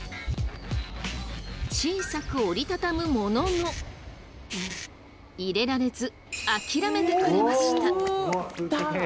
小さく折りたたむものの入れられず諦めてくれました。